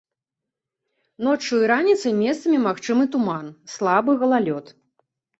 Ноччу і раніцай месцамі магчымы туман, слабы галалёд.